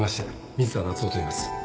水田夏雄といいます